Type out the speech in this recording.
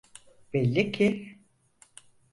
Belli ki.